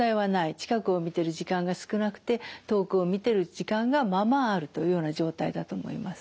近くを見てる時間が少なくて遠くを見てる時間がまあまああるというような状態だと思います。